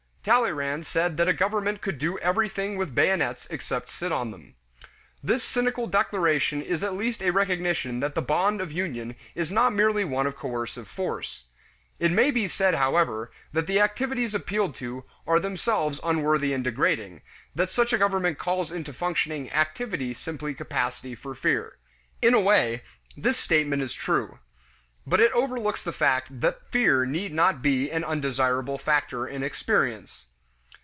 Talleyrand said that a government could do everything with bayonets except sit on them. This cynical declaration is at least a recognition that the bond of union is not merely one of coercive force. It may be said, however, that the activities appealed to are themselves unworthy and degrading that such a government calls into functioning activity simply capacity for fear. In a way, this statement is true. But it overlooks the fact that fear need not be an undesirable factor in experience.